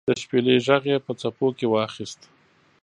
د شپیلۍ ږغ یې په څپو کې واخیست